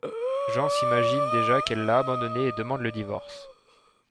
Jean s'imagine déjà qu'elle l'a abandonné et demande le divorce.